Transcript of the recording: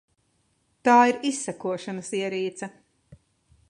Tā ir izsekošanas ierīce.